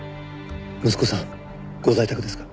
息子さんご在宅ですか？